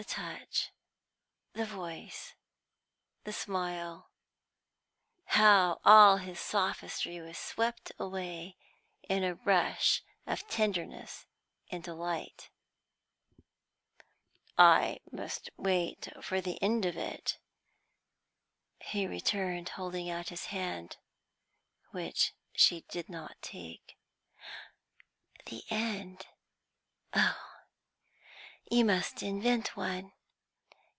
The touch, the voice, the smile, how all his sophistry was swept away in a rush of tenderness and delight! "I must wait for the end of it," he returned, holding out his hand, which she did not take. "The end? Oh, you must invent one.